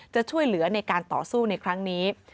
จะช่วยเหลือในการต่อสู้ในครั้งนี้